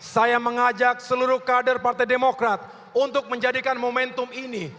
saya mengajak seluruh kader partai demokrat untuk menjadikan momentum ini